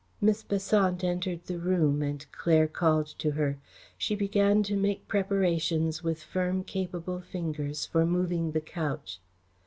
Miss Besant entered the room and Claire called to her. She began to make preparations with firm, capable fingers, for moving the couch.